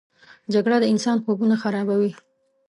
جګړه د انسان خوبونه خرابوي